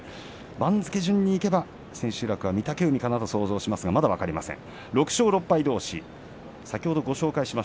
番付順にいけば千秋楽は御嶽海かなと思いますがまだ分かりません。